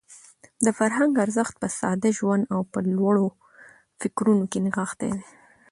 د فرهنګ ارزښت په ساده ژوند او په لوړو فکرونو کې نغښتی دی.